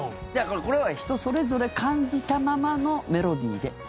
これは人それぞれ感じたままのメロディーで。